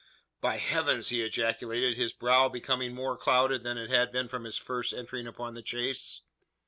"By heavens!" he ejaculated, his brow becoming more clouded than it had been from his first entering upon the chase.